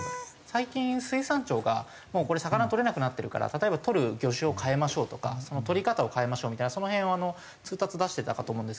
最近水産庁がもうこれ魚とれなくなってるから例えばとる魚種を変えましょうとかとり方を変えましょうみたいなその辺を通達出してたかと思うんですけど。